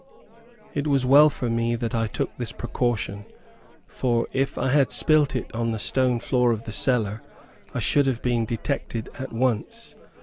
It was well for me that I took this precaution, for if I had spilt it on the stone floor of the cellar, I should have been detected at once.